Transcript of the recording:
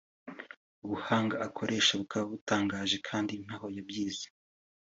ubuhanga akoresha bukaba butangaje kandi ntaho yabyize